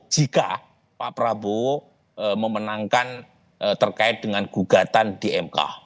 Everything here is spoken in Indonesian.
jika pak prabowo memenangkan terkait dengan gugatan di mk